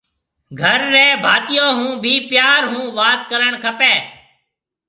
گھر ريَ ڀاتيون هون بي پيار هون وات ڪرڻ کپيَ۔